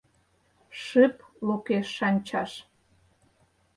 Шып лукеш шанчаш!